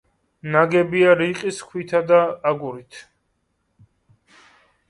ნაგებია რიყის ქვით და აგურით.